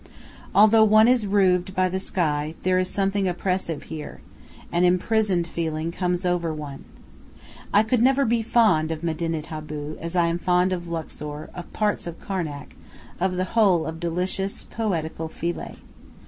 Although one is roofed by the sky, there is something oppressive here; an imprisoned feeling comes over one. I could never be fond of Medinet Abu, as I am fond of Luxor, of parts of Karnak, of the whole of delicious, poetical Philae.